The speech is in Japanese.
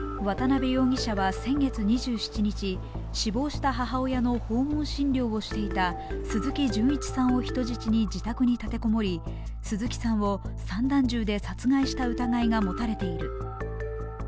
渡辺容疑者は先月２７日、死亡した母親の訪問診療をしていた医師の鈴木純一さんを人質に自宅に立て籠もり、鈴木さんを散弾銃で殺害した疑いが持たれています。